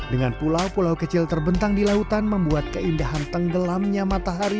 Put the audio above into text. dengan pulau pulau kecil terbentang di lautan membuat keindahan tenggelamnya matahari berkali lipat lebih menarik